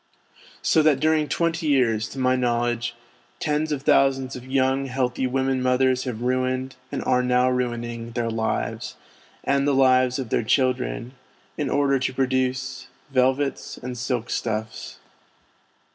So that during twenty years, to my know ledge, tens of thousands of young, healthy women mothers have ruined, and are now ruining, their lives, and the lives of their children, in order to produce velvets and silk stuffs.